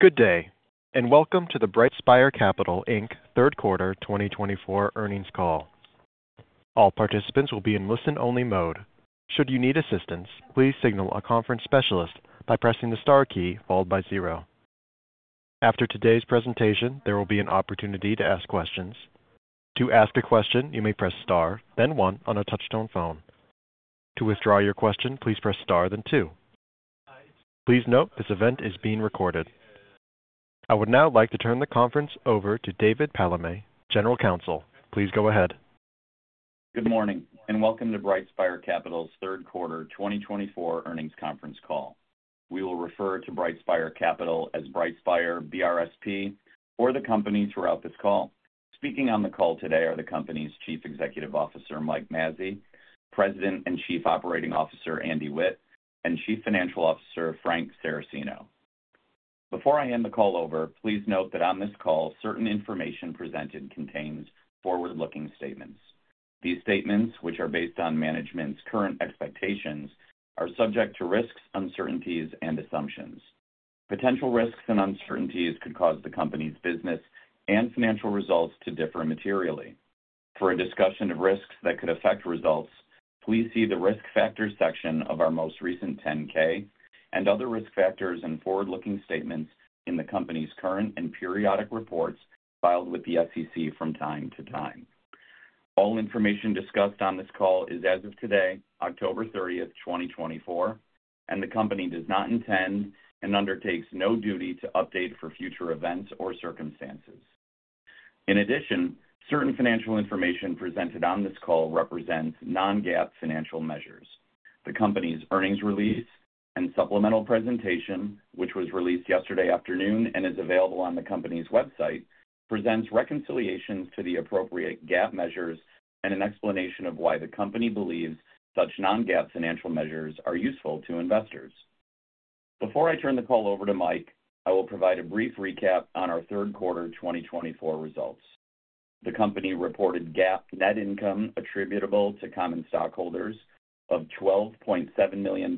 Good day, and welcome to the BrightSpire Capital, Inc. Q3 2024 earnings call. All participants will be in listen-only mode. Should you need assistance, please signal a conference specialist by pressing the star key followed by zero. After today's presentation, there will be an opportunity to ask questions. To ask a question, you may press star, then one, on a touch-tone phone. To withdraw your question, please press star, then two. Please note this event is being recorded. I would now like to turn the conference over to David Palame, General Counsel. Please go ahead. Good morning, and welcome to BrightSpire Capital's Q3 2024 earnings conference call. We will refer to BrightSpire Capital as BrightSpire BRSP for the company throughout this call. Speaking on the call today are the company's Chief Executive Officer, Mike Mazzei, President and Chief Operating Officer, Andy Witt, and Chief Financial Officer, Frank Saracino. Before I hand the call over, please note that on this call, certain information presented contains forward-looking statements. These statements, which are based on management's current expectations, are subject to risks, uncertainties, and assumptions. Potential risks and uncertainties could cause the company's business and financial results to differ materially. For a discussion of risks that could affect results, please see the risk factors section of our most recent 10-K and other risk factors and forward-looking statements in the company's current and periodic reports filed with the SEC from time to time. All information discussed on this call is as of today, October 30, 2024, and the company does not intend and undertakes no duty to update for future events or circumstances. In addition, certain financial information presented on this call represents non-GAAP financial measures. The company's earnings release and supplemental presentation, which was released yesterday afternoon and is available on the company's website, presents reconciliations to the appropriate GAAP measures and an explanation of why the company believes such non-GAAP financial measures are useful to investors. Before I turn the call over to Mike, I will provide a brief recap on our Q3 2024 results. The company reported GAAP net income attributable to common stockholders of $12.7 million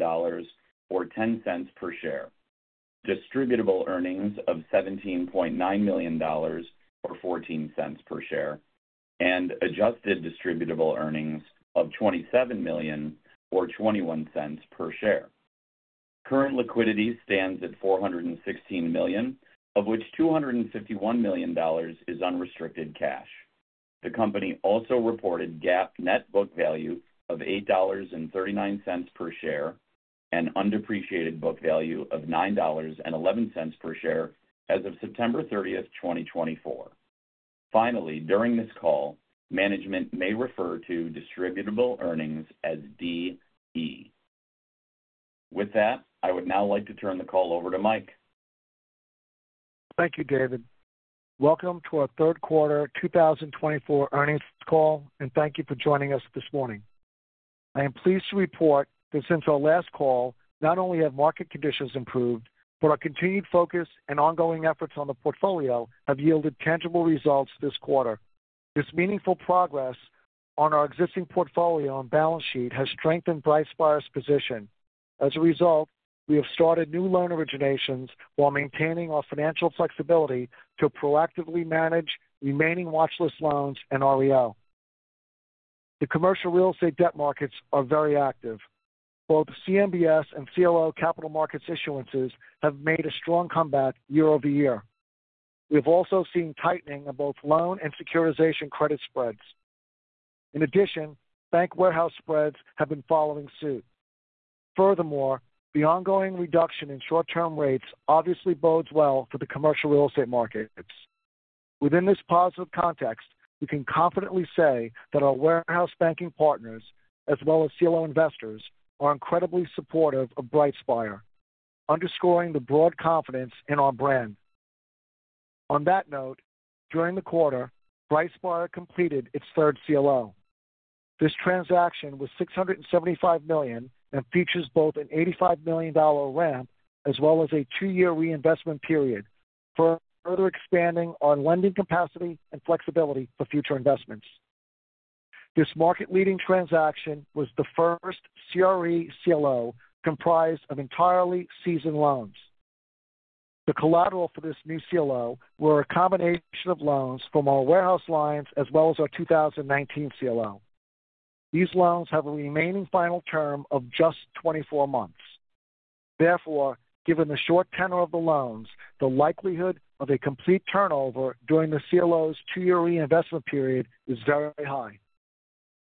or $0.10 per share, distributable earnings of $17.9 million or $0.14 per share, and adjusted distributable earnings of $27 million or $0.21 per share. Current liquidity stands at $416 million, of which $251 million is unrestricted cash. The company also reported GAAP net book value of $8.39 per share and undepreciated book value of $9.11 per share as of September 30, 2024. Finally, during this call, management may refer to distributable earnings as DE. With that, I would now like to turn the call over to Mike. Thank you, David. Welcome to our Q3 2024 earnings call, and thank you for joining us this morning. I am pleased to report that since our last call, not only have market conditions improved, but our continued focus and ongoing efforts on the portfolio have yielded tangible results this quarter. This meaningful progress on our existing portfolio and balance sheet has strengthened BrightSpire's position. As a result, we have started new loan originations while maintaining our financial flexibility to proactively manage remaining watchlist loans and REO. The commercial real estate debt markets are very active. Both CMBS and CLO Capital Markets issuances have made a strong comeback year over year. We have also seen tightening of both loan and securitization credit spreads. In addition, bank warehouse spreads have been following suit. Furthermore, the ongoing reduction in short-term rates obviously bodes well for the commercial real estate markets. Within this positive context, we can confidently say that our warehouse banking partners, as well as CLO investors, are incredibly supportive of BrightSpire, underscoring the broad confidence in our brand. On that note, during the quarter, BrightSpire completed its third CLO. This transaction was $675 million and features both an $85 million ramp as well as a two-year reinvestment period for further expanding our lending capacity and flexibility for future investments. This market-leading transaction was the first CRE CLO comprised of entirely seasoned loans. The collateral for this new CLO was a combination of loans from our warehouse lines as well as our 2019 CLO. These loans have a remaining final term of just 24 months. Therefore, given the short tenor of the loans, the likelihood of a complete turnover during the CLO's two-year reinvestment period is very high.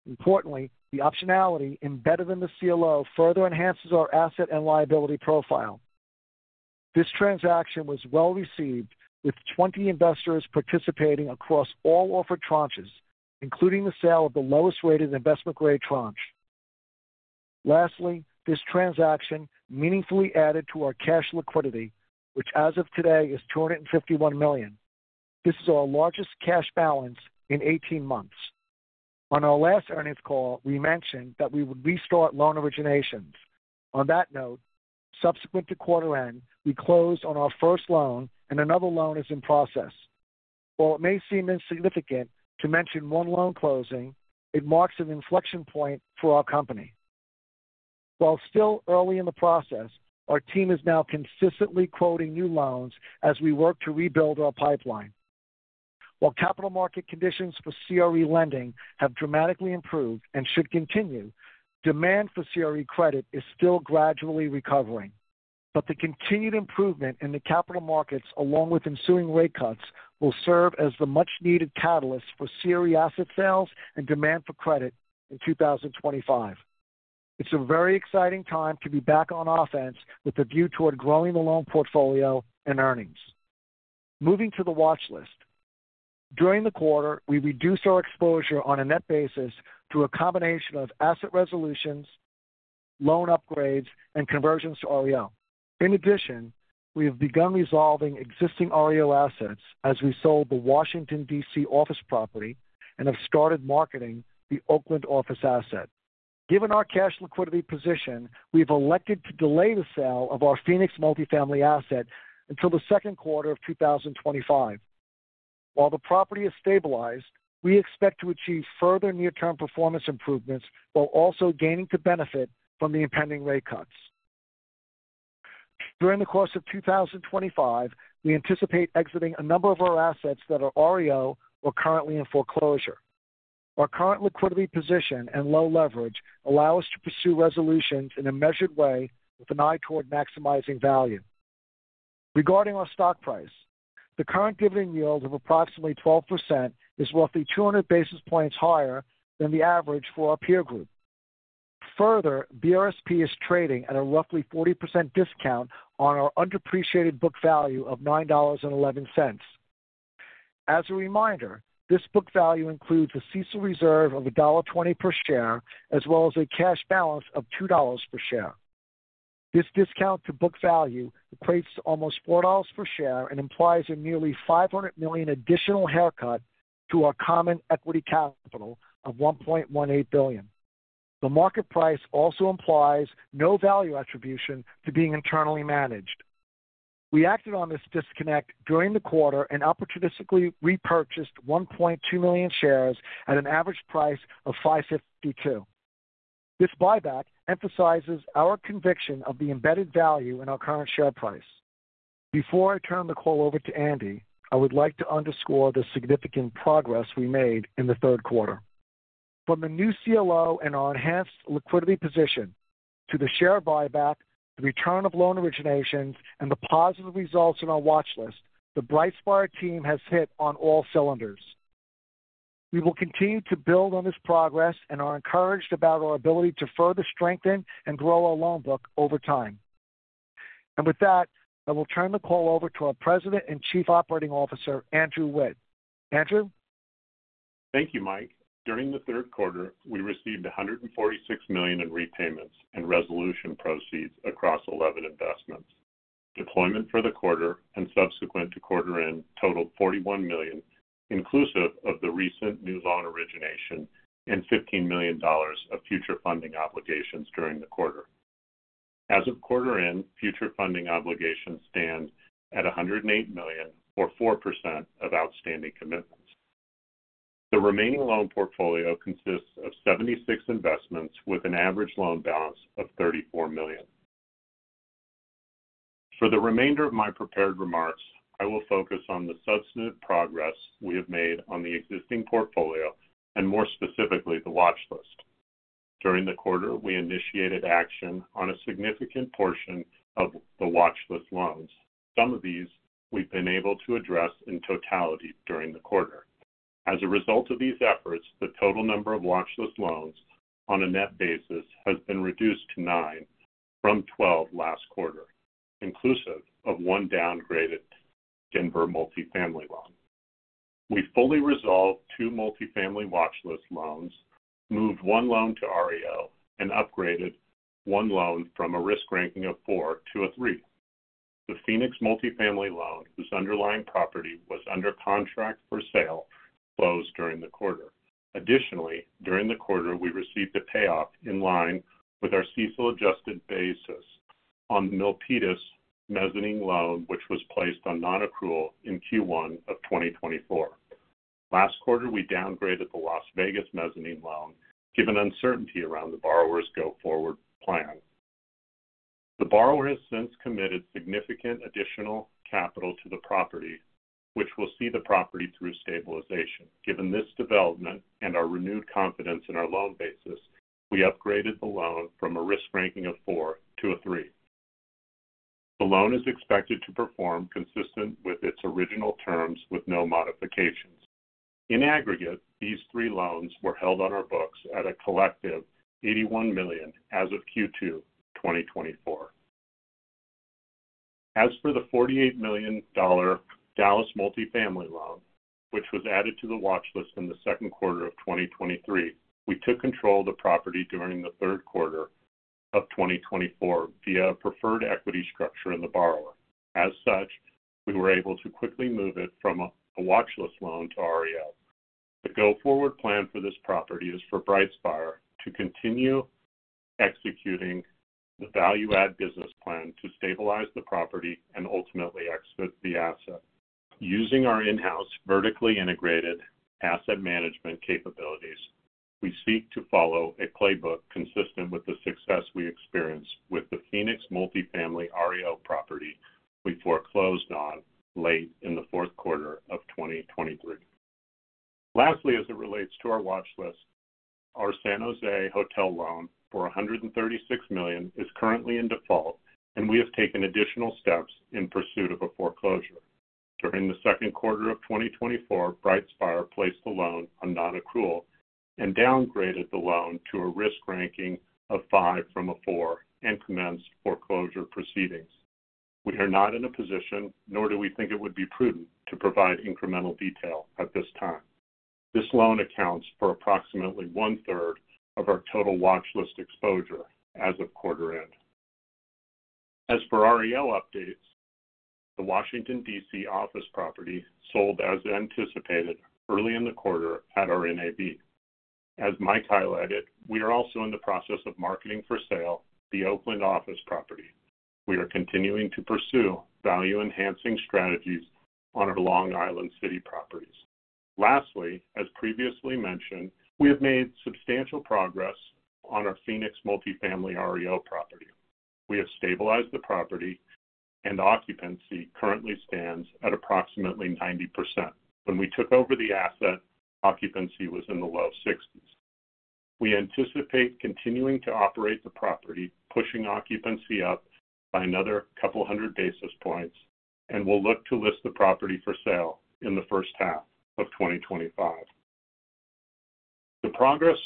Importantly, the optionality embedded in the CLO further enhances our asset and liability profile. This transaction was well received, with 20 investors participating across all offered tranches, including the sale of the lowest-rated investment-grade tranche. Lastly, this transaction meaningfully added to our cash liquidity, which as of today is $251 million. This is our largest cash balance in 18 months. On our last earnings call, we mentioned that we would restart loan originations. On that note, subsequent to quarter end, we closed on our first loan, and another loan is in process. While it may seem insignificant to mention one loan closing, it marks an inflection point for our company. While still early in the process, our team is now consistently quoting new loans as we work to rebuild our pipeline. While capital market conditions for CRE lending have dramatically improved and should continue, demand for CRE credit is still gradually recovering, but the continued improvement in the capital markets, along with ensuing rate cuts, will serve as the much-needed catalyst for CRE asset sales and demand for credit in 2025. It's a very exciting time to be back on offense with a view toward growing the loan portfolio and earnings. Moving to the watchlist. During the quarter, we reduced our exposure on a net basis through a combination of asset resolutions, loan upgrades, and conversions to REL. In addition, we have begun resolving existing REL assets as we sold the Washington, D.C. office property and have started marketing the Oakland office asset. Given our cash liquidity position, we have elected to delay the sale of our Phoenix multifamily asset until the Q2 of 2025. While the property has stabilized, we expect to achieve further near-term performance improvements while also gaining the benefit from the impending rate cuts. During the course of 2025, we anticipate exiting a number of our assets that are REL or currently in foreclosure. Our current liquidity position and low leverage allow us to pursue resolutions in a measured way with an eye toward maximizing value. Regarding our stock price, the current dividend yield of approximately 12% is roughly 200 basis points higher than the average for our peer group. Further, BRSP is trading at a roughly 40% discount on our undepreciated book value of $9.11. As a reminder, this book value includes a CECL reserve of $1.20 per share as well as a cash balance of $2 per share. This discount to book value equates to almost $4 per share and implies a nearly $500 million additional haircut to our common equity capital of $1.18 billion. The market price also implies no value attribution to being internally managed. We acted on this disconnect during the quarter and opportunistically repurchased 1.2 million shares at an average price of $5.52. This buyback emphasizes our conviction of the embedded value in our current share price. Before I turn the call over to Andy, I would like to underscore the significant progress we made in the Q3. From the new CLO and our enhanced liquidity position to the share buyback, the return of loan originations, and the positive results in our watchlist, the BrightSpire team has hit on all cylinders. We will continue to build on this progress and are encouraged about our ability to further strengthen and grow our loan book over time. And with that, I will turn the call over to our President and Chief Operating Officer, Andrew Witt. Andrew? Thank you, Mike. During the Q3, we received $146 million in repayments and resolution proceeds across 11 investments. Deployment for the quarter and subsequent to quarter end totaled $41 million, inclusive of the recent new loan origination and $15 million of future funding obligations during the quarter. As of quarter end, future funding obligations stand at $108 million, or 4% of outstanding commitments. The remaining loan portfolio consists of 76 investments with an average loan balance of $34 million. For the remainder of my prepared remarks, I will focus on the substantive progress we have made on the existing portfolio and more specifically the watchlist. During the quarter, we initiated action on a significant portion of the watchlist loans. Some of these we've been able to address in totality during the quarter. As a result of these efforts, the total number of watchlist loans on a net basis has been reduced to nine from 12 last quarter, inclusive of one downgraded Denver multifamily loan. We fully resolved two multifamily watchlist loans, moved one loan to REL, and upgraded one loan from a risk ranking of 4 to a 3. The Phoenix multifamily loan, whose underlying property was under contract for sale, closed during the quarter. Additionally, during the quarter, we received a payoff in line with our CESO adjusted basis on the Milpitas mezzanine loan, which was placed on non-accrual in Q1 of 2024. Last quarter, we downgraded the Las Vegas mezzanine loan, given uncertainty around the borrower's go-forward plan. The borrower has since committed significant additional capital to the property, which will see the property through stabilization. Given this development and our renewed confidence in our loan basis, we upgraded the loan from a risk ranking of 4 to a 3. The loan is expected to perform consistent with its original terms with no modifications. In aggregate, these three loans were held on our books at a collective $81 million as of Q2 2024. As for the $48 million Dallas multifamily loan, which was added to the watchlist in the Q2 of 2023, we took control of the property during the Q3 of 2024 via a preferred equity structure in the borrower. As such, we were able to quickly move it from a watchlist loan to REL. The go-forward plan for this property is for BrightSpire to continue executing the value-add business plan to stabilize the property and ultimately exit the asset. Using our in-house vertically integrated asset management capabilities, we seek to follow a playbook consistent with the success we experienced with the Phoenix multifamily REL property we foreclosed on late in the Q4 of 2023. Lastly, as it relates to our watchlist, our San Jose hotel loan for $136 million is currently in default, and we have taken additional steps in pursuit of a foreclosure. During the Q2 of 2024, BrightSpire placed the loan on non-accrual and downgraded the loan to a risk ranking of five from a four and commenced foreclosure proceedings. We are not in a position, nor do we think it would be prudent, to provide incremental detail at this time. This loan accounts for approximately one-third of our total watchlist exposure as of quarter end. As for REL updates, the Washington, D.C. office property sold as anticipated early in the quarter at our NAV. As Mike highlighted, we are also in the process of marketing for sale the Oakland office property. We are continuing to pursue value-enhancing strategies on our Long Island City properties. Lastly, as previously mentioned, we have made substantial progress on our Phoenix multifamily REO property. We have stabilized the property, and occupancy currently stands at approximately 90%. When we took over the asset, occupancy was in the low 60s. We anticipate continuing to operate the property, pushing occupancy up by another couple hundred basis points, and will look to list the property for sale in the first half of 2025. The progress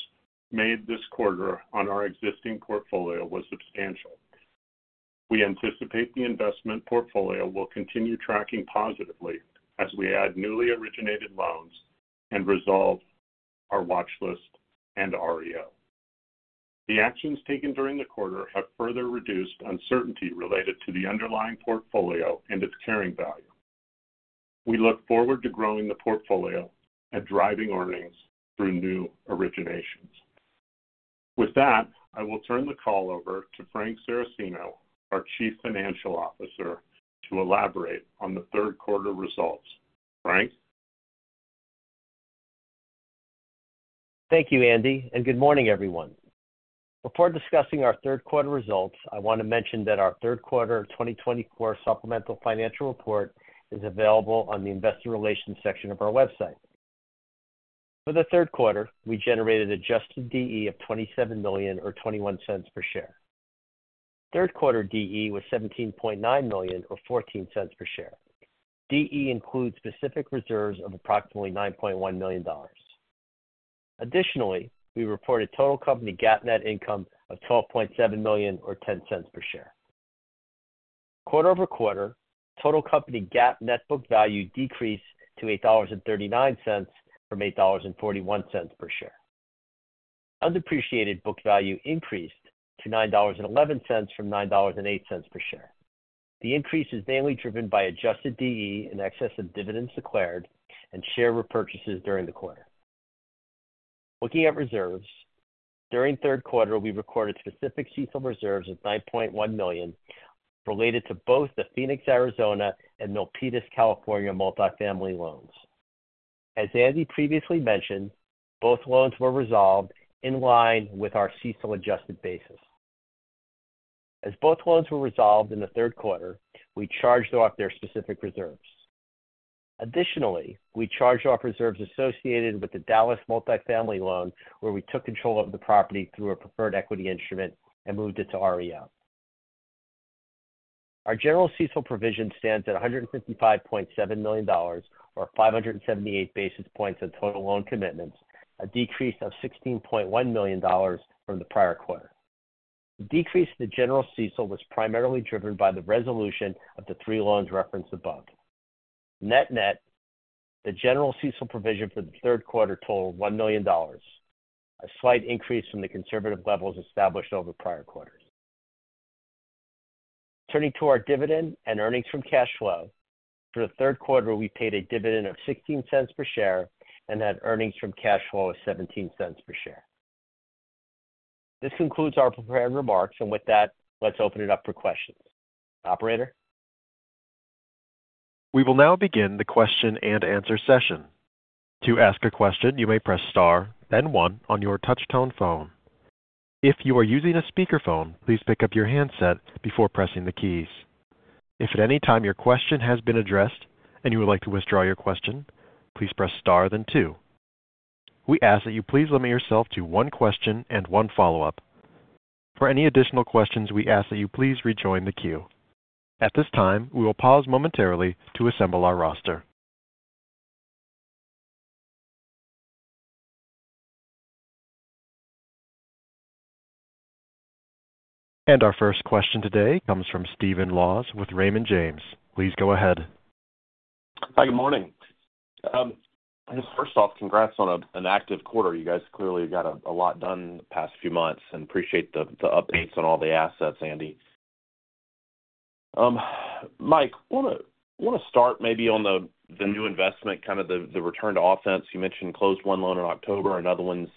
made this quarter on our existing portfolio was substantial. We anticipate the investment portfolio will continue tracking positively as we add newly originated loans and resolve our watchlist and REO. The actions taken during the quarter have further reduced uncertainty related to the underlying portfolio and its carrying value. We look forward to growing the portfolio and driving earnings through new originations. With that, I will turn the call over to Frank Saracino, our Chief Financial Officer, to elaborate on the Q3 results. Frank? Thank you, Andy, and good morning, everyone. Before discussing our Q3 results, I want to mention that our Q3 2024 supplemental financial report is available on the Investor Relations section of our website. For the Q3, we generated adjusted DE of $27 million or $0.21 per share. Q3 DE was $17.9 million or $0.14 per share. DE includes specific reserves of approximately $9.1 million. Additionally, we reported total company GAAP net income of $12.7 million or $0.10 per share. Quarter over quarter, total company GAAP net book value decreased to $8.39 from $8.41 per share. Undepreciated book value increased to $9.11 from $9.08 per share. The increase is mainly driven by adjusted DE in excess of dividends declared and share repurchases during the quarter. Looking at reserves, during Q3, we recorded specific CESO reserves of $9.1 million related to both the Phoenix, Arizona, and Milpitas, California multifamily loans. As Andy previously mentioned, both loans were resolved in line with our CESO adjusted basis. As both loans were resolved in the Q3, we charged off their specific reserves. Additionally, we charged off reserves associated with the Dallas multifamily loan, where we took control of the property through a preferred equity instrument and moved it to REL. Our general CESO provision stands at $155.7 million or 578 basis points of total loan commitments, a decrease of $16.1 million from the prior quarter. The decrease in the general CESO was primarily driven by the resolution of the three loans referenced above. Net net, the general CESO provision for the Q3 totaled $1 million, a slight increase from the conservative levels established over prior quarters. Turning to our dividend and earnings from cash flow, for the Q3, we paid a dividend of $0.16 per share and had earnings from cash flow of $0.17 per share. This concludes our prepared remarks, and with that, let's open it up for questions. Operator? We will now begin the question and answer session. To ask a question, you may press star, then one, on your touch-tone phone. If you are using a speakerphone, please pick up your handset before pressing the keys. If at any time your question has been addressed and you would like to withdraw your question, please press star, then two. We ask that you please limit yourself to one question and one follow-up. For any additional questions, we ask that you please rejoin the queue. At this time, we will pause momentarily to assemble our roster. Our first question today comes from Stephen Laws with Raymond James. Please go ahead. Hi, good morning. First off, congrats on an active quarter. You guys clearly got a lot done in the past few months, and appreciate the updates on all the assets, Andy. Mike, I want to start maybe on the new investment, kind of the return to offense. You mentioned closed one loan in October, another one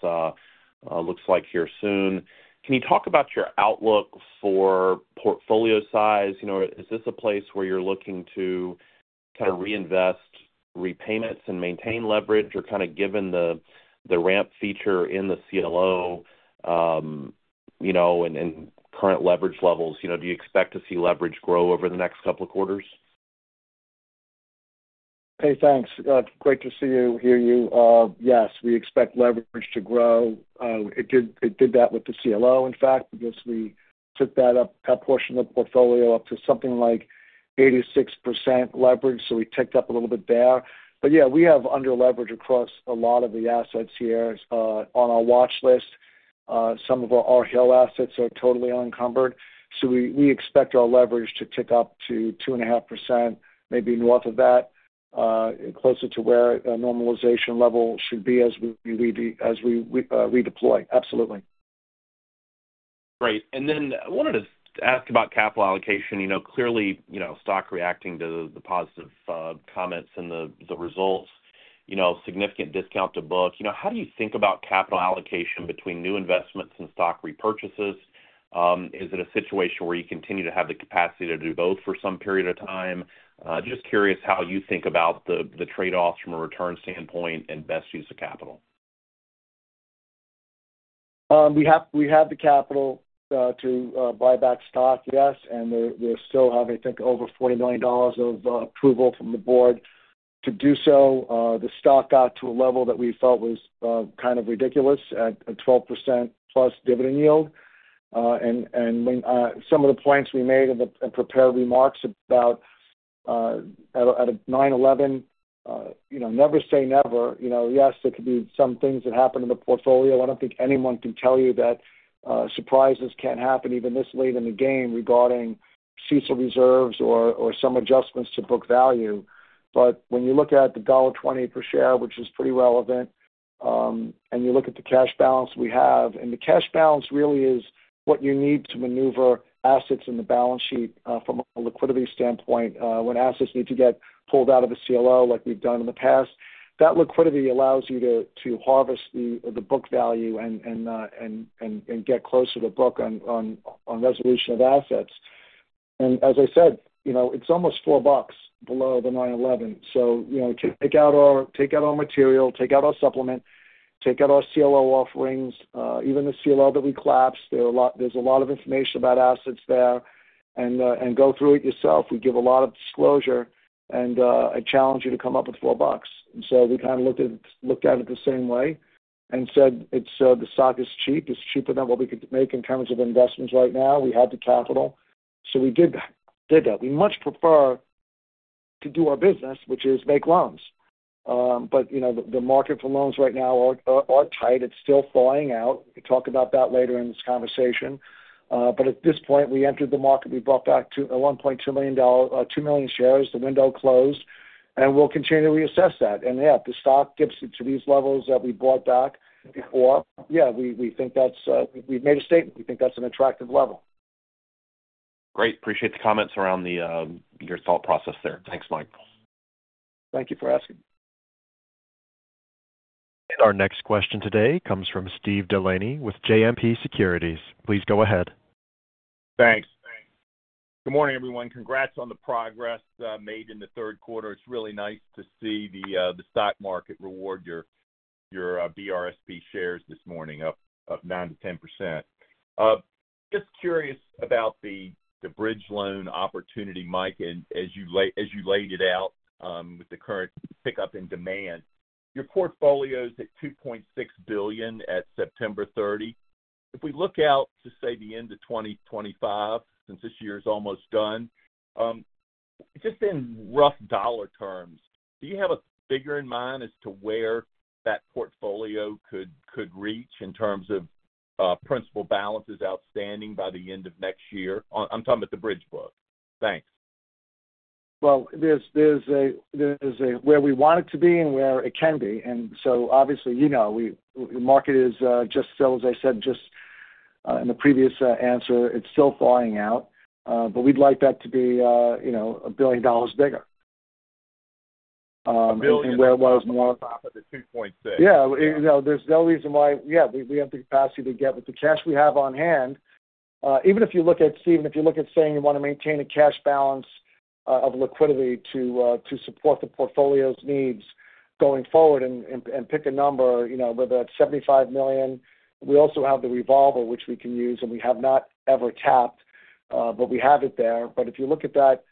looks like here soon. Can you talk about your outlook for portfolio size? Is this a place where you're looking to kind of reinvest repayments and maintain leverage, or kind of given the ramp feature in the CLO and current leverage levels, do you expect to see leverage grow over the next couple of quarters? Hey, thanks. Great to see you, hear you. Yes, we expect leverage to grow. It did that with the CLO, in fact, because we took that portion of the portfolio up to something like 86% leverage, so we ticked up a little bit there. But yeah, we have underleverage across a lot of the assets here on our watchlist. Some of our REL assets are totally uncovered, so we expect our leverage to tick up to 2.5%, maybe north of that, closer to where a normalization level should be as we redeploy. Absolutely. Great. And then I wanted to ask about capital allocation. Clearly, stock reacting to the positive comments and the results, significant discount to book. How do you think about capital allocation between new investments and stock repurchases? Is it a situation where you continue to have the capacity to do both for some period of time? Just curious how you think about the trade-offs from a return standpoint and best use of capital? We have the capital to buy back stock, yes, and we still have, I think, over $40 million of approval from the board to do so. The stock got to a level that we felt was kind of ridiculous at a 12% plus dividend yield, and some of the points we made in the prepared remarks about at a 9.1, never say never. Yes, there could be some things that happened in the portfolio. I don't think anyone can tell you that surprises can't happen even this late in the game regarding CESO reserves or some adjustments to book value. But when you look at the $1.20 per share, which is pretty relevant, and you look at the cash balance we have, and the cash balance really is what you need to maneuver assets in the balance sheet from a liquidity standpoint when assets need to get pulled out of the CLO like we've done in the past, that liquidity allows you to harvest the book value and get closer to book on resolution of assets. And as I said, it's almost four bucks below the NAV. So take out our material, take out our supplement, take out our CLO offerings, even the CLO that we collapsed. There's a lot of information about assets there. And go through it yourself. We give a lot of disclosure and challenge you to come up with four bucks. So we kind of looked at it the same way and said, "The stock is cheap. It's cheaper than what we could make in terms of investments right now. We have the capital." So we did that. We much prefer to do our business, which is make loans. But the market for loans right now are tight. It's still thawing out. We'll talk about that later in this conversation. But at this point, we entered the market. We bought back $1.2 million shares. The window closed, and we'll continue to reassess that. And yeah, if the stock dips to these levels that we bought back before, yeah, we think that's we've made a statement. We think that's an attractive level. Great. Appreciate the comments around your thought process there. Thanks, Mike. Thank you for asking. Our next question today comes from Steve Delaney with JMP Securities. Please go ahead. Thanks. Good morning, everyone. Congrats on the progress made in the Q3. It's really nice to see the stock market reward your BRSP shares this morning up 9%-10%. Just curious about the bridge loan opportunity, Mike, as you laid it out with the current pickup in demand. Your portfolio is at $2.6 billion at September 30. If we look out to, say, the end of 2025, since this year is almost done, just in rough dollar terms, do you have a figure in mind as to where that portfolio could reach in terms of principal balances outstanding by the end of next year? I'm talking about the bridge book. Thanks. Well, there's where we want it to be and where it can be. So obviously, you know the market is just, as I said just in the previous answer, it's still thawing out. But we'd like that to be $1 billion bigger. A billion? And where it was more than 2.6. Yeah, there's no reason why, yeah, we have the capacity to get with the cash we have on hand. Even if you look at, Steven, if you look at saying you want to maintain a cash balance of liquidity to support the portfolio's needs going forward and pick a number, whether that's $75 million. We also have the revolver, which we can use, and we have not ever tapped, but we have it there. But if you look at that,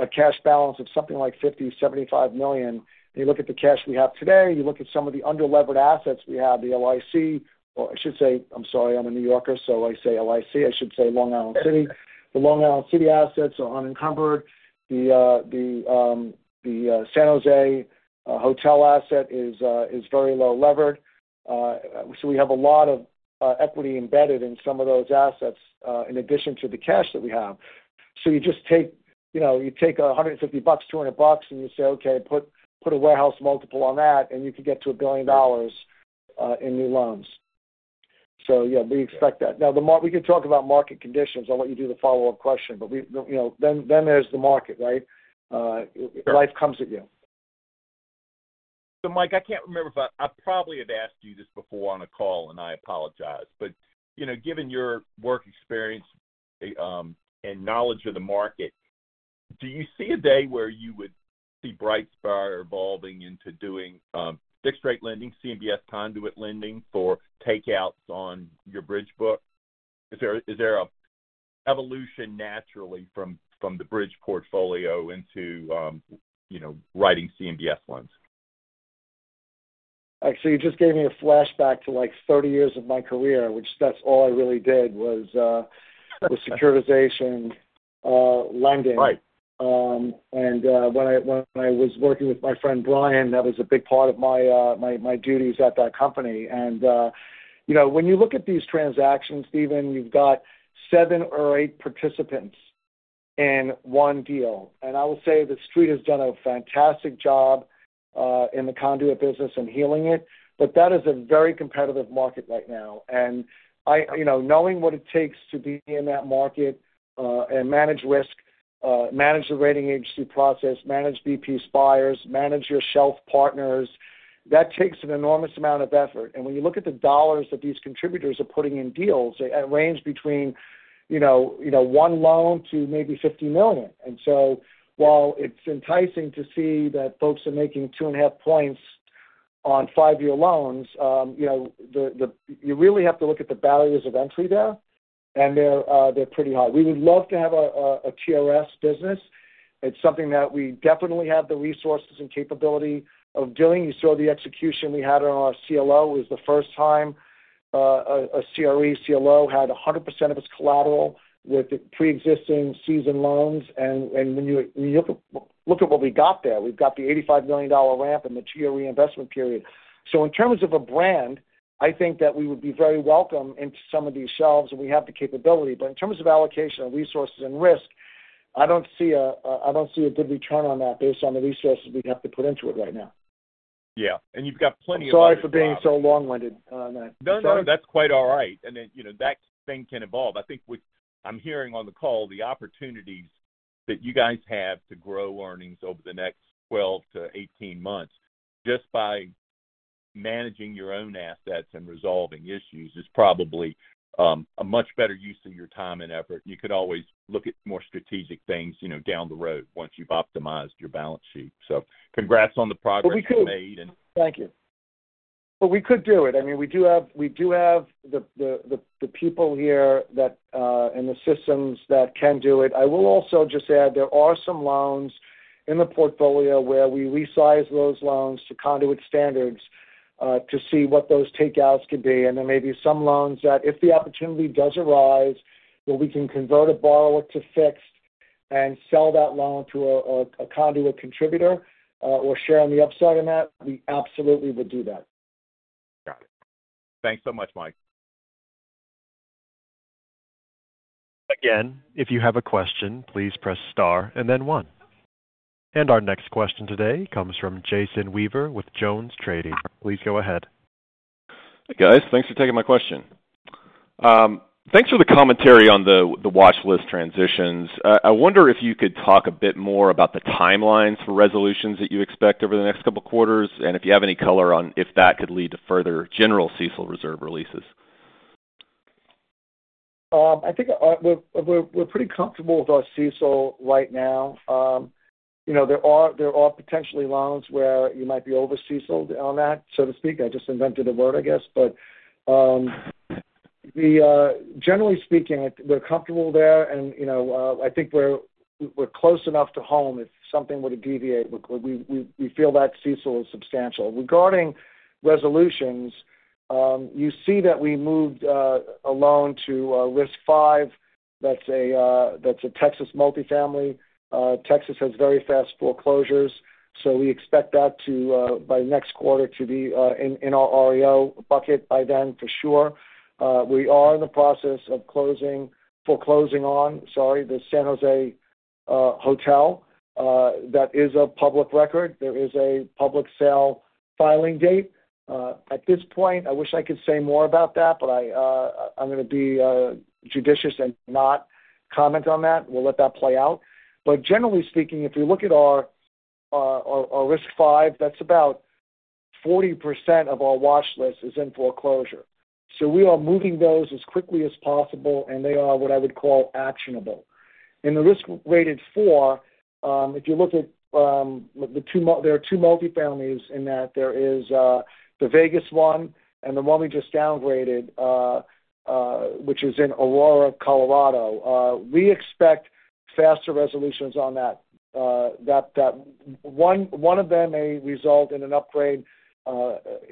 a cash balance of something like $50-$75 million, and you look at the cash we have today, you look at some of the underlevered assets we have, the LIC, or I should say, I'm sorry, I'm a New Yorker, so I say LIC. I should say Long Island City. The Long Island City assets are unencumbered. The San Jose hotel asset is very low levered. So we have a lot of equity embedded in some of those assets in addition to the cash that we have. So you just take $150, $200, and you say, "Okay, put a warehouse multiple on that," and you can get to $1 billion in new loans. So yeah, we expect that. Now, we can talk about market conditions on what you do, the follow-up question, but then there's the market, right? Life comes at you. So Mike, I can't remember, but I probably have asked you this before on a call, and I apologize. But given your work experience and knowledge of the market, do you see a day where you would see BrightSpire evolving into doing fixed-rate lending, CMBS conduit lending for takeouts on your bridge book? Is there an evolution naturally from the bridge portfolio into writing CMBS loans? Actually, you just gave me a flashback to like 30 years of my career, which that's all I really did was securitization, lending. And when I was working with my friend Brian, that was a big part of my duties at that company. And when you look at these transactions, Steven, you've got seven or eight participants in one deal. And I will say the Street has done a fantastic job in the conduit business and healing it, but that is a very competitive market right now. And knowing what it takes to be in that market and manage risk, manage the rating agency process, manage BrightSpire's, manage your shelf partners, that takes an enormous amount of effort. And when you look at the dollars that these contributors are putting in deals, they range between $1 million to maybe $50 million. And so while it's enticing to see that folks are making two and a half points on five-year loans, you really have to look at the barriers of entry there, and they're pretty high. We would love to have a CMBS business. It's something that we definitely have the resources and capability of doing. You saw the execution we had on our CLO. It was the first time a CRE CLO had 100% of its collateral with pre-existing seasoned loans. And when you look at what we got there, we've got the $85 million ramp and the two-year reinvestment period. So in terms of a brand, I think that we would be very welcome into some of these shelves, and we have the capability. But in terms of allocation of resources and risk, I don't see a good return on that based on the resources we'd have to put into it right now. Yeah. And you've got plenty of. Sorry for being so long-winded. No, no, that's quite all right. And that thing can evolve. I think I'm hearing on the call the opportunities that you guys have to grow earnings over the next 12 to 18 months just by managing your own assets and resolving issues is probably a much better use of your time and effort. You could always look at more strategic things down the road once you've optimized your balance sheet. So congrats on the progress you've made. Thank you. But we could do it. I mean, we do have the people here and the systems that can do it. I will also just add there are some loans in the portfolio where we resize those loans to conduit standards to see what those takeouts could be. And then maybe some loans that if the opportunity does arise, where we can convert a borrower to fixed and sell that loan to a conduit contributor or share on the upside on that, we absolutely would do that. Got it. Thanks so much, Mike. Again, if you have a question, please press star and then one. And our next question today comes from Jason Weaver with Jones Trading. Please go ahead. Hey, guys. Thanks for taking my question. Thanks for the commentary on the watchlist transitions. I wonder if you could talk a bit more about the timelines for resolutions that you expect over the next couple of quarters, and if you have any color on if that could lead to further general CESO reserve releases. I think we're pretty comfortable with our CESO right now. There are potentially loans where you might be overseas on that, so to speak. I just invented a word, I guess. But generally speaking, we're comfortable there, and I think we're close enough to home if something were to deviate. We feel that CESO is substantial. Regarding resolutions, you see that we moved a loan to risk five. That's a Texas multifamily. Texas has very fast foreclosures. So we expect that by next quarter to be in our REO bucket by then for sure. We are in the process of foreclosing on, sorry, the San Jose hotel. That is a public record. There is a public sale filing date. At this point, I wish I could say more about that, but I'm going to be judicious and not comment on that. We'll let that play out. But generally speaking, if you look at our risk five, that's about 40% of our watchlist is in foreclosure. So we are moving those as quickly as possible, and they are what I would call actionable. In the risk-rated four, if you look at the two multifamilies in that there is the Vegas one and the one we just downgraded, which is in Aurora, Colorado. We expect faster resolutions on that. One of them may result in an upgrade in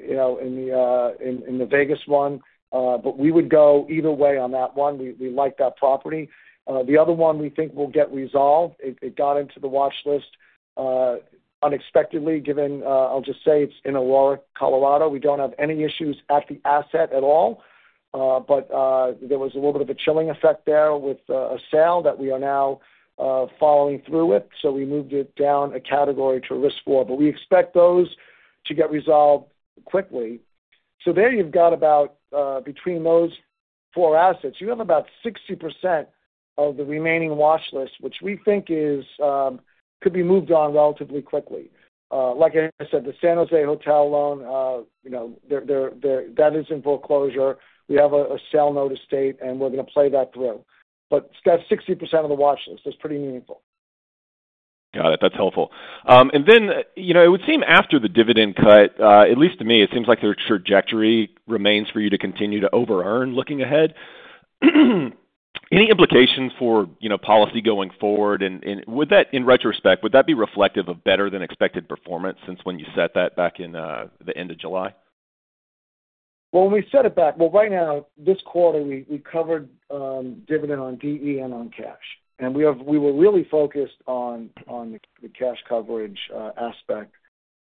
the Vegas one, but we would go either way on that one. We like that property. The other one we think will get resolved. It got into the watchlist unexpectedly, given, I'll just say, it's in Aurora, Colorado. We don't have any issues at the asset at all, but there was a little bit of a chilling effect there with a sale that we are now following through with. So we moved it down a category to risk four. But we expect those to get resolved quickly. So there you've got about between those four assets, you have about 60% of the remaining watchlist, which we think could be moved on relatively quickly. Like I said, the San Jose hotel loan, that is in foreclosure. We have a sale notice date, and we're going to play that through. But it's got 60% of the watchlist. That's pretty meaningful. Got it. That's helpful. And then it would seem after the dividend cut, at least to me, it seems like their trajectory remains for you to continue to over-earn looking ahead. Any implications for policy going forward? And in retrospect, would that be reflective of better than expected performance since when you set that back in the end of July? Well, when we set it back, well, right now, this quarter, we covered dividend on DE and on cash. And we were really focused on the cash coverage aspect.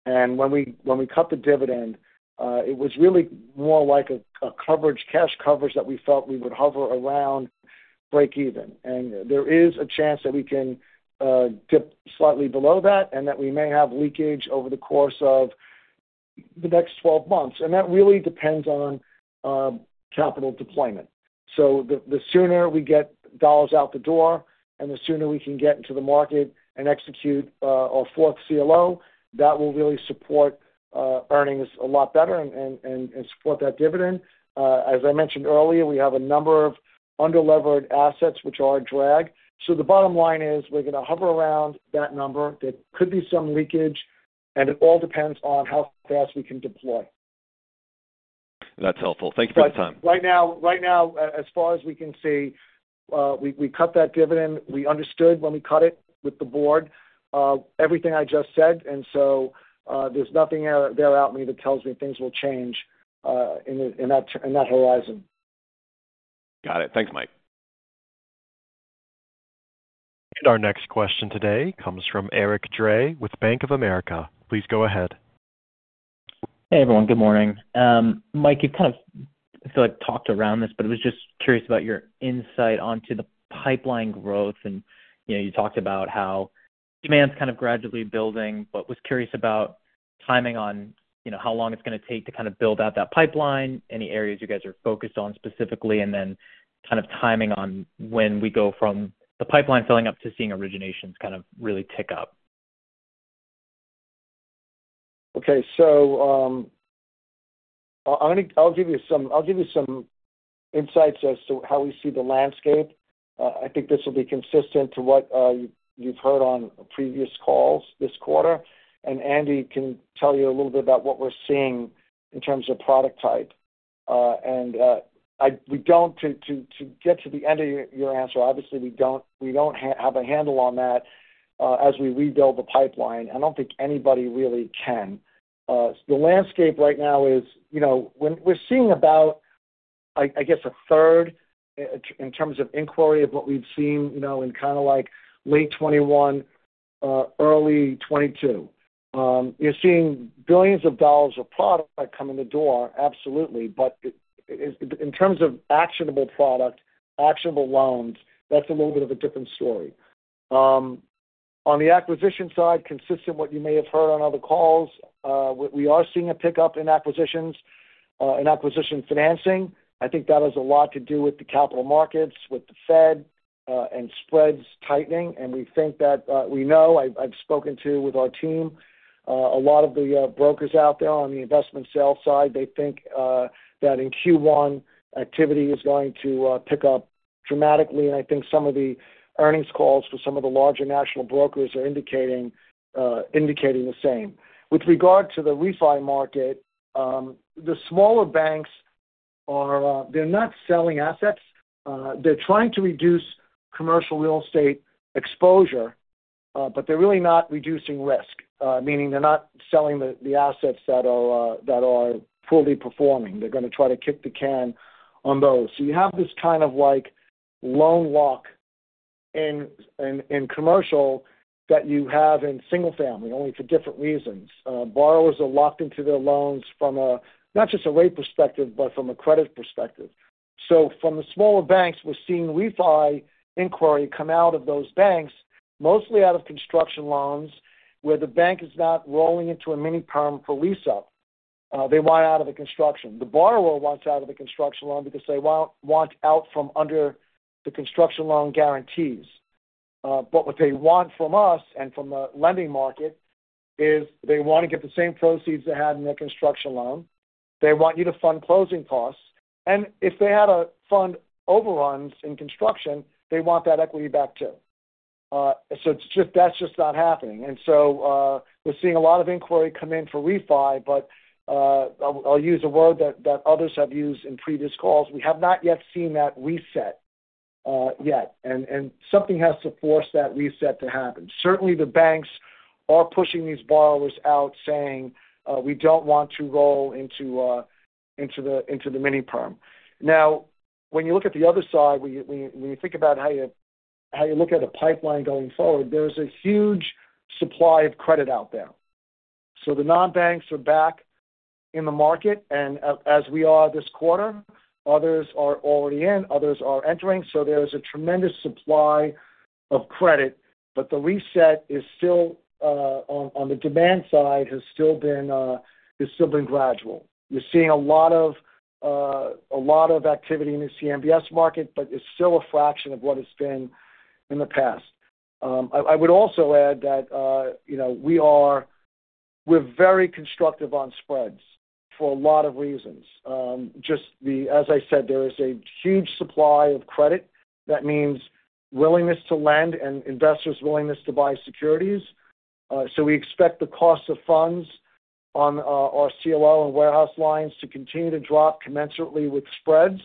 And when we cut the dividend, it was really more like a coverage, cash coverage that we felt we would hover around breakeven. And there is a chance that we can dip slightly below that and that we may have leakage over the course of the next 12 months. And that really depends on capital deployment. So the sooner we get dollars out the door and the sooner we can get into the market and execute our fourth CLO, that will really support earnings a lot better and support that dividend. As I mentioned earlier, we have a number of underlevered assets, which are a drag. So the bottom line is we're going to hover around that number. There could be some leakage, and it all depends on how fast we can deploy. That's helpful. Thank you for the time. Right now, as far as we can see, we cut that dividend. We understood when we cut it with the board, everything I just said, and so there's nothing there out there that tells me things will change in that horizon. Got it. Thanks, Mike. Our next question today comes from Eric Hagen with Bank of America. Please go ahead. Hey, everyone. Good morning. Mike, you've kind of, I feel like, talked around this, but I was just curious about your insight onto the pipeline growth, and you talked about how demand's kind of gradually building, but was curious about timing on how long it's going to take to kind of build out that pipeline, any areas you guys are focused on specifically, and then kind of timing on when we go from the pipeline filling up to seeing originations kind of really tick up. Okay. So I'll give you some insights as to how we see the landscape. I think this will be consistent to what you've heard on previous calls this quarter. And Andy can tell you a little bit about what we're seeing in terms of product type. And to get to the end of your answer, obviously, we don't have a handle on that as we rebuild the pipeline. I don't think anybody really can. The landscape right now is we're seeing about, I guess, a third in terms of inquiry of what we've seen in kind of like late 2021, early 2022. You're seeing billions of dollars of product come in the door, absolutely. But in terms of actionable product, actionable loans, that's a little bit of a different story. On the acquisition side, consistent with what you may have heard on other calls, we are seeing a pickup in acquisitions and acquisition financing. I think that has a lot to do with the capital markets, with the Fed and spreads tightening, and we know I've spoken to with our team, a lot of the brokers out there on the investment sale side, they think that in Q1, activity is going to pick up dramatically, and I think some of the earnings calls for some of the larger national brokers are indicating the same. With regard to the refi market, the smaller banks, they're not selling assets. They're trying to reduce commercial real estate exposure, but they're really not reducing risk, meaning they're not selling the assets that are poorly performing. They're going to try to kick the can on those. So you have this kind of like loan lock in commercial that you have in single family, only for different reasons. Borrowers are locked into their loans from not just a rate perspective, but from a credit perspective. So from the smaller banks, we're seeing refi inquiry come out of those banks, mostly out of construction loans where the bank is not rolling into a mini-perm for lease-up. They want out of the construction. The borrower wants out of the construction loan because they want out from under the construction loan guarantees. But what they want from us and from the lending market is they want to get the same proceeds they had in their construction loan. They want you to fund closing costs. And if they had to fund overruns in construction, they want that equity back too. So that's just not happening. And so we're seeing a lot of inquiry come in for refi, but I'll use a word that others have used in previous calls. We have not yet seen that reset yet, and something has to force that reset to happen. Certainly, the banks are pushing these borrowers out saying, "We don't want to roll into the mini perm." Now, when you look at the other side, when you think about how you look at a pipeline going forward, there's a huge supply of credit out there. So the non-banks are back in the market, and as we are this quarter, others are already in, others are entering. So there is a tremendous supply of credit, but the reset on the demand side has still been gradual. You're seeing a lot of activity in the CMBS market, but it's still a fraction of what it's been in the past. I would also add that we're very constructive on spreads for a lot of reasons. Just as I said, there is a huge supply of credit. That means willingness to lend and investors' willingness to buy securities. So we expect the cost of funds on our CLO and warehouse lines to continue to drop commensurately with spreads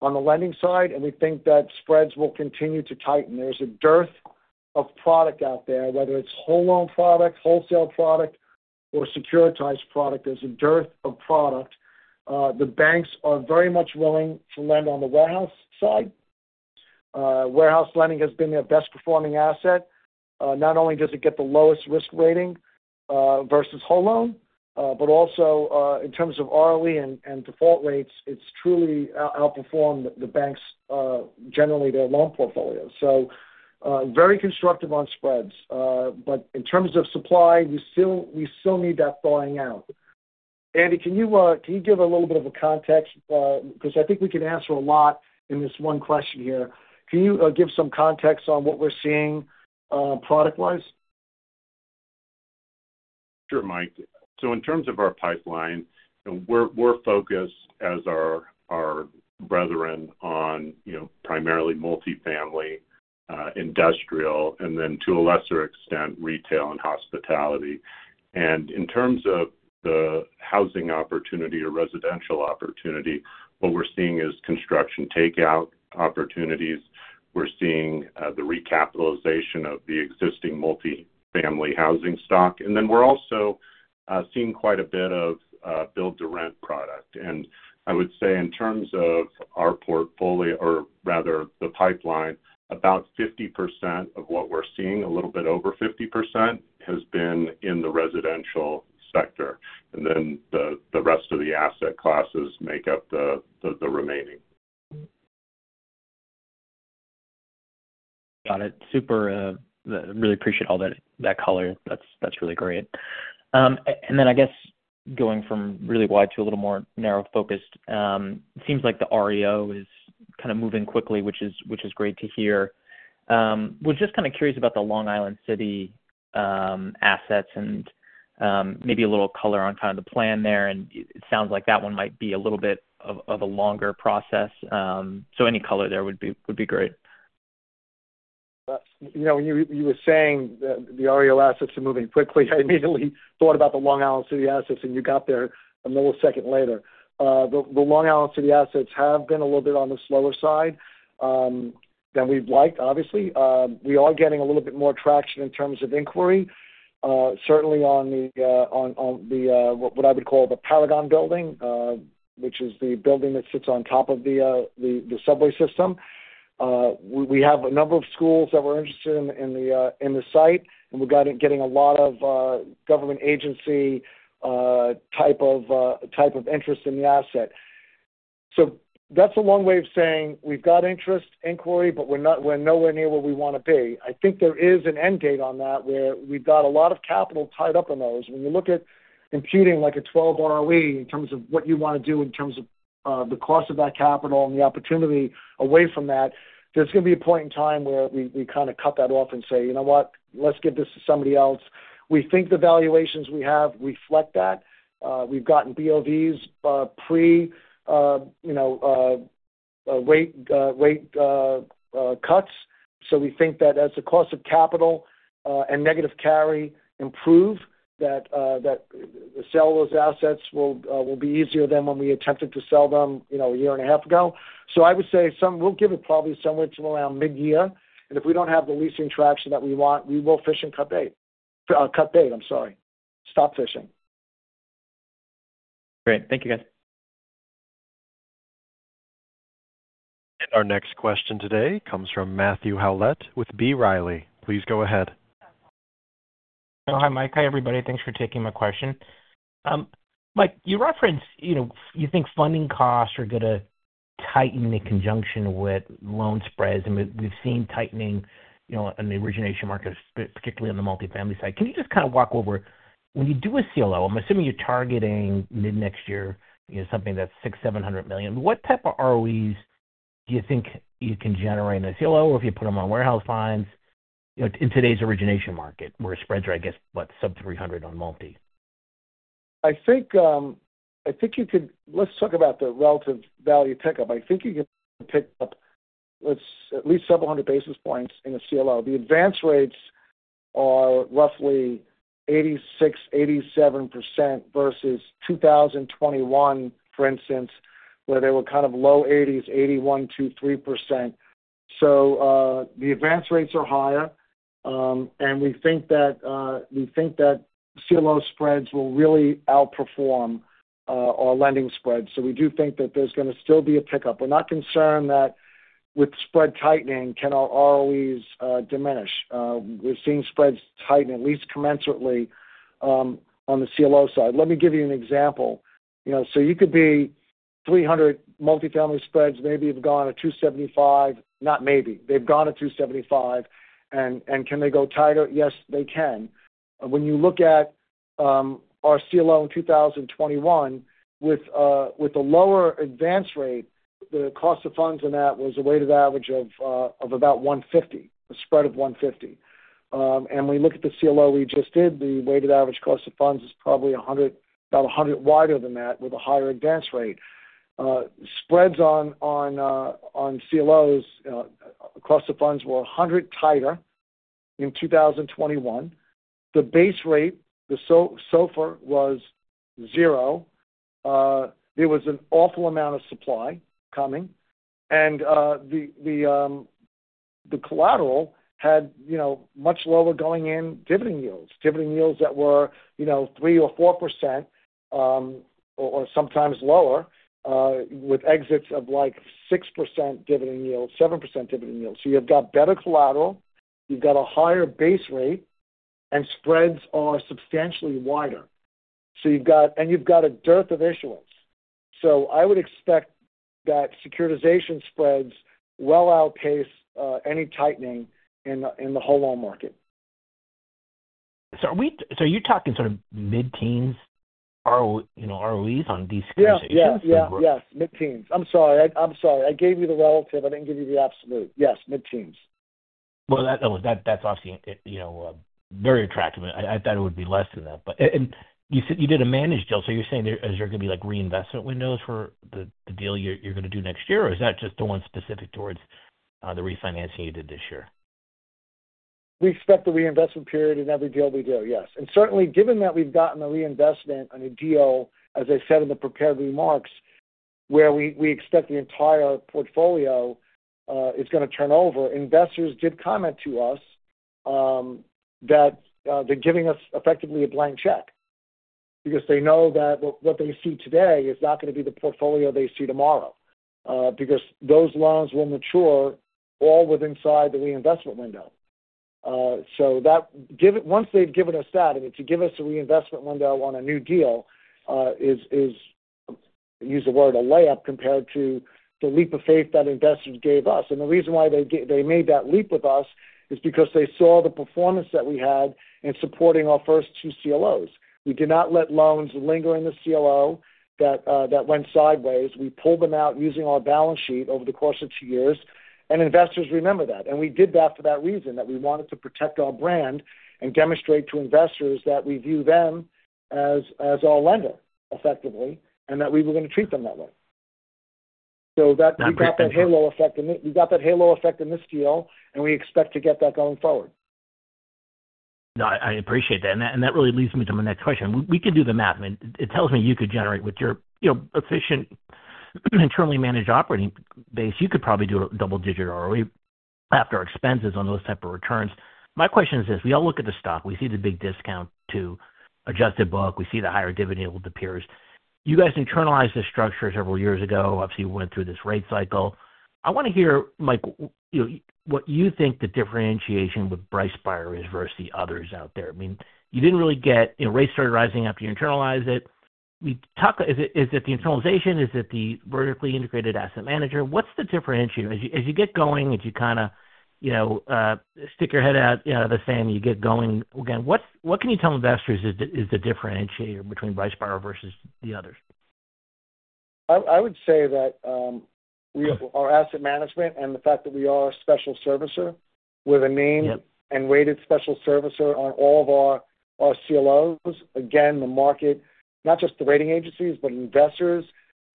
on the lending side, and we think that spreads will continue to tighten. There's a dearth of product out there, whether it's whole loan product, wholesale product, or securitized product. The banks are very much willing to lend on the warehouse side. Warehouse lending has been their best-performing asset. Not only does it get the lowest risk rating versus whole loan, but also in terms of ROE and default rates, it's truly outperformed the banks, generally their loan portfolio. So very constructive on spreads. But in terms of supply, we still need that thawing out. Andy, can you give a little bit of a context? Because I think we can answer a lot in this one question here. Can you give some context on what we're seeing product-wise? Sure, Mike. So in terms of our pipeline, we're focused, as our brethren, on primarily multifamily, industrial, and then to a lesser extent, retail and hospitality. And in terms of the housing opportunity or residential opportunity, what we're seeing is construction takeout opportunities. We're seeing the recapitalization of the existing multifamily housing stock. And then we're also seeing quite a bit of build-to-rent product. And I would say in terms of our portfolio, or rather the pipeline, about 50% of what we're seeing, a little bit over 50%, has been in the residential sector. And then the rest of the asset classes make up the remaining. Got it. Super. Really appreciate all that color. That's really great, and then I guess going from really wide to a little more narrow focus, it seems like the REO is kind of moving quickly, which is great to hear. We're just kind of curious about the Long Island City assets and maybe a little color on kind of the plan there, and it sounds like that one might be a little bit of a longer process, so any color there would be great. When you were saying the REO assets are moving quickly, I immediately thought about the Long Island City assets, and you got there a millisecond later. The Long Island City assets have been a little bit on the slower side than we'd like, obviously. We are getting a little bit more traction in terms of inquiry, certainly on what I would call the Paragon building, which is the building that sits on top of the subway system. We have a number of schools that were interested in the site, and we're getting a lot of government agency type of interest in the asset. So that's a long way of saying we've got interest, inquiry, but we're nowhere near where we want to be. I think there is an end date on that where we've got a lot of capital tied up in those. When you look at imputing like a 12 ROE in terms of what you want to do in terms of the cost of that capital and the opportunity away from that, there's going to be a point in time where we kind of cut that off and say, "You know what? Let's give this to somebody else." We think the valuations we have reflect that. We've gotten BOVs, pre-rate cuts. So we think that as the cost of capital and negative carry improve, that sell those assets will be easier than when we attempted to sell them a year and a half ago. So I would say we'll give it probably somewhere to around mid-year, and if we don't have the leasing traction that we want, we will fish and cut bait. Cut bait, I'm sorry. Stop fishing. Great. Thank you, guys. Our next question today comes from Matthew Howlett with B. Riley. Please go ahead. Hi, Mike. Hi, everybody. Thanks for taking my question. Mike, you referenced you think funding costs are going to tighten in conjunction with loan spreads, and we've seen tightening on the origination market, particularly on the multifamily side. Can you just kind of walk over when you do a CLO? I'm assuming you're targeting mid-next year, something that's $600 million-$700 million. What type of ROEs do you think you can generate in a CLO, or if you put them on warehouse lines in today's origination market, where spreads are, I guess, what, sub-300 on multi? I think you could. Let's talk about the relative value pickup. I think you can pick up at least several hundred basis points in a CLO. The advance rates are roughly 86%-87% versus 2021, for instance, where they were kind of low 80s, 81%-83%. So the advance rates are higher, and we think that CLO spreads will really outperform our lending spreads. So we do think that there's going to still be a pickup. We're not concerned that with spread tightening, can our ROEs diminish? We're seeing spreads tighten at least commensurately on the CLO side. Let me give you an example. So you could be 300 multifamily spreads, maybe you've gone to 275. Not maybe. They've gone to 275 and can they go tighter? Yes, they can. When you look at our CLO in 2021, with a lower advance rate, the cost of funds in that was a weighted average of about 150, a spread of 150. And when you look at the CLO we just did, the weighted average cost of funds is probably about 100 wider than that with a higher advance rate. Spreads on CLOs across the funds were 100 tighter in 2021. The base rate, the SOFR, was zero. There was an awful amount of supply coming. And the collateral had much lower going-in dividend yields, dividend yields that were 3% or 4% or sometimes lower, with exits of like 6% dividend yield, 7% dividend yield. So you've got better collateral, you've got a higher base rate, and spreads are substantially wider. And you've got a dearth of issuance. So I would expect that securitization spreads well outpace any tightening in the whole loan market. So are you talking sort of mid-teens ROEs on these securitization? Yes, yes, yes. Mid-teens. I'm sorry. I'm sorry. I gave you the relative. I didn't give you the absolute. Yes, mid-teens. That's obviously very attractive. I thought it would be less than that, and you said you did a managed deal, so you're saying there are going to be reinvestment windows for the deal you're going to do next year, or is that just the one specific toward the refinancing you did this year? We expect the reinvestment period in every deal we do, yes. And certainly, given that we've gotten the reinvestment on a deal, as I said in the prepared remarks, where we expect the entire portfolio is going to turn over, investors did comment to us that they're giving us effectively a blank check because they know that what they see today is not going to be the portfolio they see tomorrow because those loans will mature all within the reinvestment window. So once they've given us that, I mean, to give us a reinvestment window on a new deal is, use the word, a layup compared to the leap of faith that investors gave us. And the reason why they made that leap with us is because they saw the performance that we had in supporting our first two CLOs. We did not let loans linger in the CLO that went sideways. We pulled them out using our balance sheet over the course of two years, and investors remember that, and we did that for that reason, that we wanted to protect our brand and demonstrate to investors that we view them as our lender, effectively, and that we were going to treat them that way, so we got that halo effect, and we got that halo effect in this deal, and we expect to get that going forward. No, I appreciate that. And that really leads me to my next question. We can do the math. It tells me you could generate with your efficient internally managed operating base, you could probably do a double-digit ROE after expenses on those type of returns. My question is this: we all look at the stock. We see the big discount to adjusted book. We see the higher dividend yield appears. You guys internalized this structure several years ago. Obviously, you went through this rate cycle. I want to hear, Mike, what you think the differentiation with BrightSpire is versus the others out there. I mean, you didn't really get rates started rising after you internalized it. Is it the internalization? Is it the vertically integrated asset manager? What's the differentiator? As you get going, as you kind of stick your head out of the sand, you get going again, what can you tell investors is the differentiator between BrightSpire versus the others? I would say that our asset management and the fact that we are a special servicer with a named and rated special servicer on all of our CLOs, again, the market, not just the rating agencies, but investors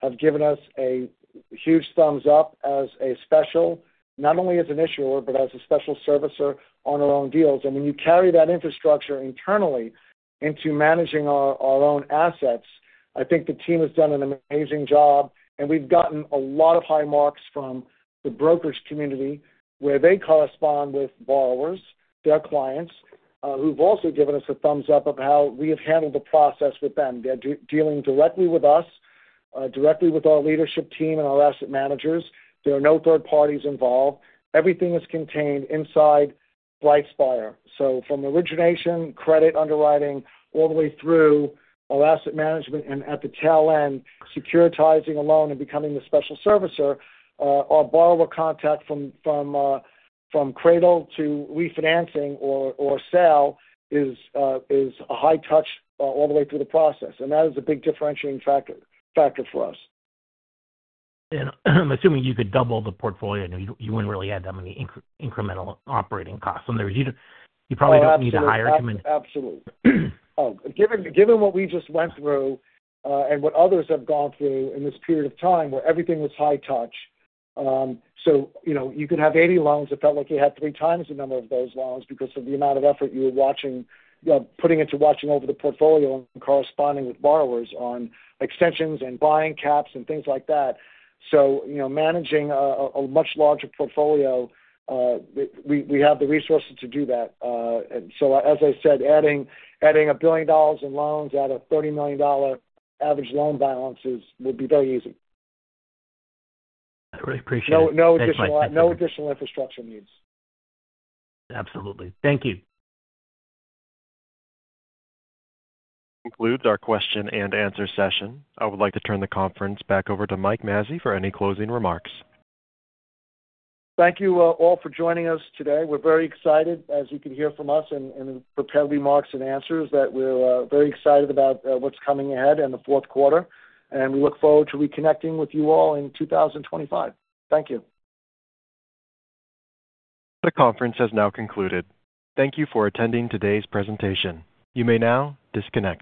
have given us a huge thumbs up as a special, not only as an issuer, but as a special servicer on our own deals. And when you carry that infrastructure internally into managing our own assets, I think the team has done an amazing job. And we've gotten a lot of high marks from the brokerage community where they correspond with borrowers, their clients, who've also given us a thumbs up of how we have handled the process with them. They're dealing directly with us, directly with our leadership team and our asset managers. There are no third parties involved. Everything is contained inside BrightSpire. From origination, credit underwriting, all the way through our asset management, and at the tail end, securitizing a loan and becoming the special servicer, our borrower contact from cradle to refinancing or sale is a high touch all the way through the process. And that is a big differentiating factor for us. I'm assuming you could double the portfolio. You wouldn't really add that many incremental operating costs on there. You probably don't need a higher commitment. Absolutely. Given what we just went through and what others have gone through in this period of time where everything was high touch, so you could have 80 loans. It felt like you had three times the number of those loans because of the amount of effort you were putting into watching over the portfolio and corresponding with borrowers on extensions and buying caps and things like that. So managing a much larger portfolio, we have the resources to do that. And so, as I said, adding $1 billion in loans out of $30 million average loan balances would be very easy. I really appreciate it. No additional infrastructure needs. Absolutely. Thank you. Concludes our question and answer session. I would like to turn the conference back over to Mike Mazzei for any closing remarks. Thank you all for joining us today. We're very excited, as you can hear from us in the prepared remarks and answers, that we're very excited about what's coming ahead in the fourth quarter, and we look forward to reconnecting with you all in 2025. Thank you. The conference has now concluded. Thank you for attending today's presentation. You may now disconnect.